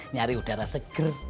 ngari udara seger